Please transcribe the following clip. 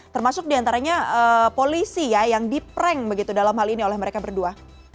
termasuk diantaranya polisi ya yang diprank begitu dalam hal ini oleh mereka berdua